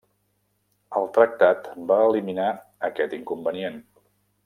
El tractat va eliminar aquest inconvenient.